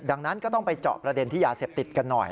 ดังนั้นก็ต้องไปเจาะประเด็นที่ยาเสพติดกันหน่อย